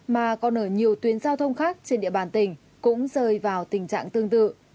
mà còn ở nhiều tuyến giao thông khác trên địa bàn tỉnh cũng rơi vào tình trạng tương tự